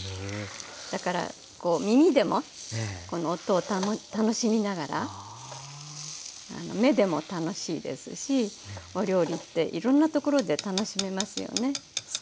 だからこう耳でもこの音を楽しみながら目でも楽しいですしお料理っていろんなところで楽しめますよね。